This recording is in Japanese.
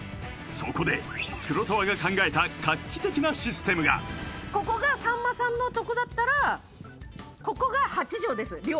そこで黒沢が考えた画期的なシステムがここがさんまさんのとこだったらここが８畳です寮